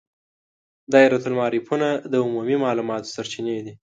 دایرة المعارفونه د عمومي معلوماتو سرچینې دي.